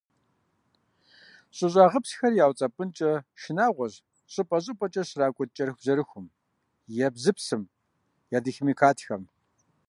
ЩӀыщӀагъыпсхэр яуцӀэпӀынкӀэ шынагъуэщ щӀыпӀэ -щӀыпӀэкӀэ щракӀут кӀэрыхубжьэрыхум, ебзыпсым, ядохимикатхэм.